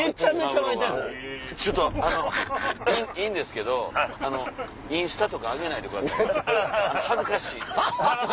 ちょっとあのいいんですけどインスタとか上げないでください恥ずかしい。